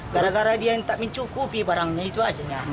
gara gara dia yang tak mencukupi barangnya itu aja